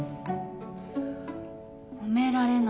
褒められないって？